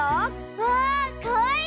わあかわいい！